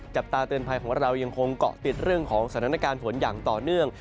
จับตาเตือนภัยของเรายังคงเกาะติดเรื่องของสถานการณ์ฝนอย่างต่อเนื่อง